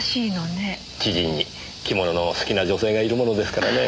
知人に着物の好きな女性がいるものですからねぇ。